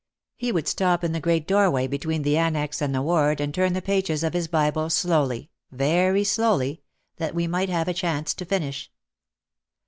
He would stop in the great doorway between the annex and the ward and turn the pages of his Bible slowly, very slowly, that we might have a chance to finish.